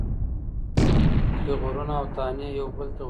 پیغورونه او طعنې يو بل ته ورکوي.